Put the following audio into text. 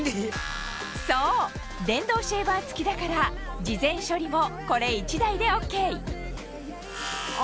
そう電動シェーバー付きだから事前処理もこれ１台でＯＫあ